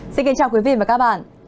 xin kính chào quý vị và các bạn